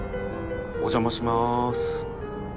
お邪魔します